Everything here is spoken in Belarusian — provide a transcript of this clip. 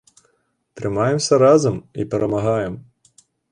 Трымаемся разам і перамагаем!